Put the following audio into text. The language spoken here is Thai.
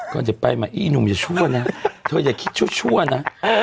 อย่าไปมาอี้หนุ่มอย่าชั่วนะเธออย่าคิดชั่วนะ